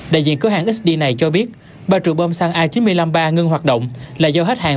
đại diện cửa hàng xd này cho biết ba trụ bông xăng a chín mươi năm ba ngưng hoạt động là do hết hàng